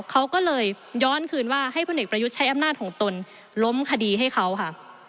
เขาก็เลยย้อนคืนว่าให้พลเอกประยุทธ์ใช้อำนาจของตนล้มคดีให้เขาค่ะ